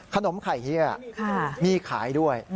ขนมไข่เฮียมีขายด้วย